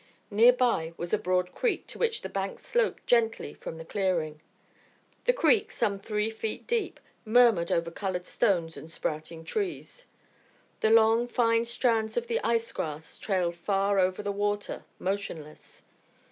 Near by was a broad creek to which the bank sloped gently from the clearing. The creek, some three feet deep, murmured over coloured stones and sprouting trees. The long fine strands of the ice grass trailed far over the water, motionless.